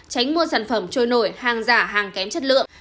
tránh mua sản phẩm trôi nổi hàng giả hàng kém chất lượng